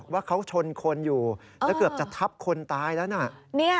ว่าเขาชนคนอยู่แล้วเกือบจะทับคนตายแล้วนะ